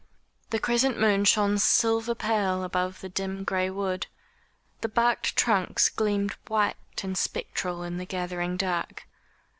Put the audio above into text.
The crescent moon shone silver pale above that dim gray wood. The barked trunks gleamed white and spectral in the gathering dark.